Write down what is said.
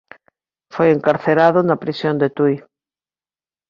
Foi encarcerado na prisión de Tui.